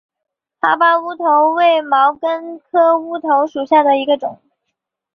哈巴乌头为毛茛科乌头属下的一个种。